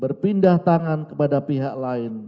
berpindah tangan kepada pihak lain